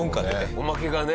おまけがね。